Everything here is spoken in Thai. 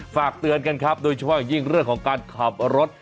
ฝากเตือนกันครับโดยเฉพาะอย่างยิ่งเรื่องของการขับรถ